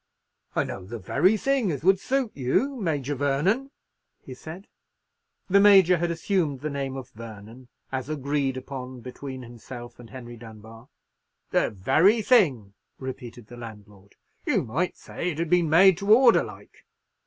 "I know the very thing as would suit you, Major Vernon," he said—the Major had assumed the name of Vernon, as agreed upon between himself and Henry Dunbar—"the very thing," repeated the landlord; "you might say it had been made to order like.